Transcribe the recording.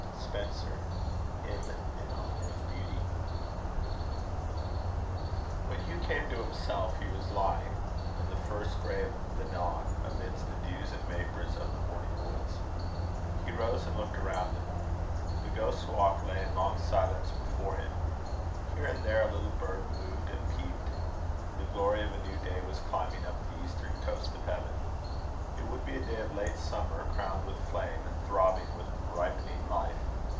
SPENSER. Hymn in Honour of Beauty. When Hugh came to himself, he was lying, in the first grey of the dawn, amidst the dews and vapours of the morning woods. He rose and looked around him. The Ghost's Walk lay in long silence before him. Here and there a little bird moved and peeped. The glory of a new day was climbing up the eastern coast of heaven. It would be a day of late summer, crowned with flame, and throbbing with ripening life.